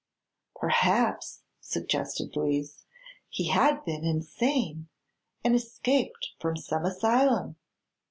"Perhaps," suggested Louise, "he had been insane and escaped from some asylum."